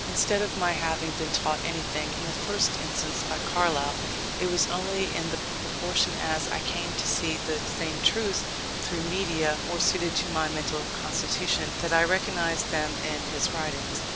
Instead of my having been taught anything, in the first instance, by Carlyle, it was only in proportion as I came to see the same truths through media more suited to my mental constitution, that I recognised them in his writings.